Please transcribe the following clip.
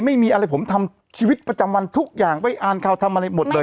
ไม่มีอะไรผมทำชีวิตประจำวันทุกอย่างไปอ่านข่าวทำอะไรหมดเลย